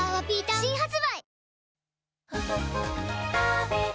新発売